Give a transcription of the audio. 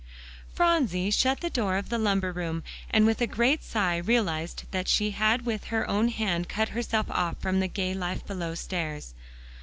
Phronsie shut the door of the lumber room, and with a great sigh realized that she had with her own hand cut herself off from the gay life below stairs.